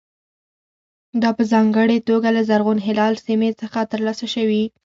دا په ځانګړې توګه له زرغون هلال سیمې څخه ترلاسه شوي.